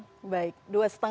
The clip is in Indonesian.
nah mari itu kita tawarkan